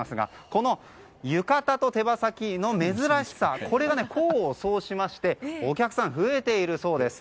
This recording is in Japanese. この浴衣と手羽先の珍しさこれが功を奏しましてお客さん、増えているそうです。